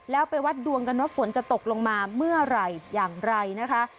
แล้วไปวัดดวงกันว่าฝนจะตกลงมาเมื่อไหร่อย่างไรนะคะ